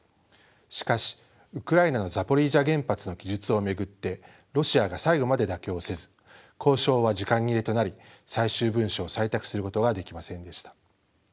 しかしウクライナのザポリージャ原発の記述を巡ってロシアが最後まで妥協せず交渉は時間切れとなり最終文書を採択することはできませんでした。